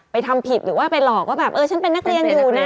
ทำผิดหรือว่าไปหลอกว่าแบบเออฉันเป็นนักเรียนอยู่นะ